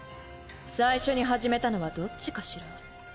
最初に始めたのはどっちかしら？